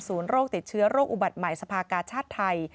โรคติดเชื้อโรคอุบัติใหม่สภากาชาติไทย